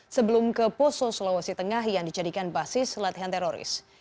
sebelum ke poso sulawesi tengah yang dijadikan basis latihan teroris